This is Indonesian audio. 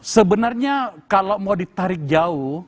sebenarnya kalau mau ditarik jauh